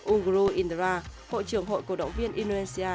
ungro indra hội trưởng hội cầu động viên indonesia